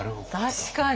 確かに！